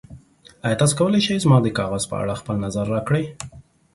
ایا تاسو کولی شئ زما د کاغذ په اړه خپل نظر راکړئ؟